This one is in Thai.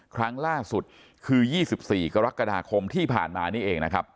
ครั้งล่าสุดคือ๒๔กรกฎาคมที่ผ่านมานี่เองนะครับ